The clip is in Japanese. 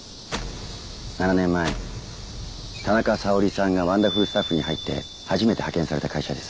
７年前田中沙織さんがワンダフルスタッフに入って初めて派遣された会社です。